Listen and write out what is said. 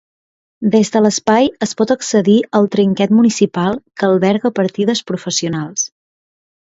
Des de l'espai es pot accedir al trinquet municipal, que alberga partides professionals.